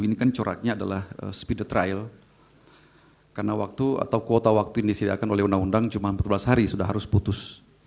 ini kan coraknya adalah speed the trial karena waktu atau kuota waktu yang disediakan oleh undang undang cuma empat belas hari sudah harus putus